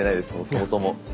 そもそも。